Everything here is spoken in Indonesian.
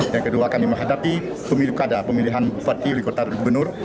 yang kedua kami menghadapi pemilihan bupati wilih kota dan gubernur